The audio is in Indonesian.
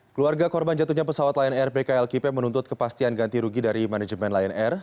keluarga korban jatuhnya pesawat lion air pkl kipe menuntut kepastian ganti rugi dari manajemen lion air